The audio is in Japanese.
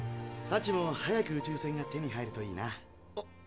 ハチも早く宇宙船が手に入るといいな。